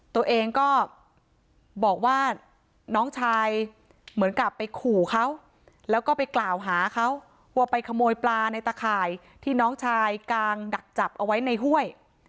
ตัวเองก็บอกว่าน้องชายเหมือนกับไปขู่เขาแล้วก็ไปกล่าวหาเขาว่าไปขโมยปลาในตะข่ายที่น้องชายกางดักจับเอาไว้ในห้วย